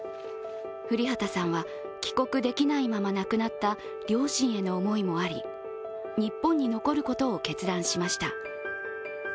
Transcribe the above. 降籏さんは帰国できないまま亡くなった両親への思いもあり日本に残ることを決断しました。